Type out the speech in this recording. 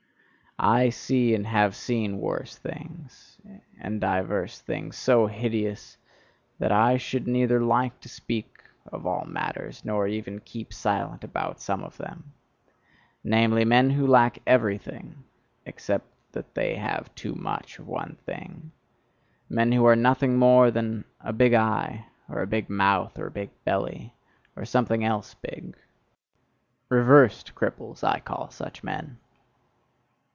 I see and have seen worse things, and divers things so hideous, that I should neither like to speak of all matters, nor even keep silent about some of them: namely, men who lack everything, except that they have too much of one thing men who are nothing more than a big eye, or a big mouth, or a big belly, or something else big, reversed cripples, I call such men.